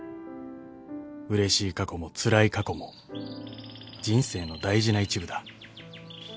［うれしい過去もつらい過去も人生の大事な一部だ］